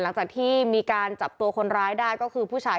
หลังจากที่มีการจับตัวคนร้ายได้ก็คือผู้ชาย